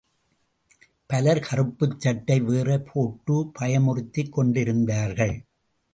பலர் கறுப்புச் சட்டை வேறு போட்டு பயமுறுத்திக் கொண்டிருந்தார்கள்.